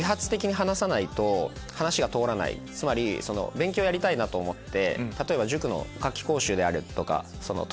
勉強やりたいなと思って。